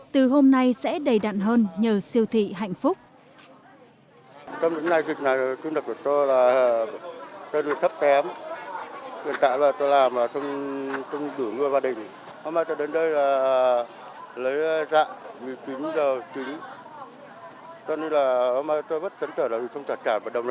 từ hôm nay sẽ đầy đặn hơn nhờ siêu thị hạnh phúc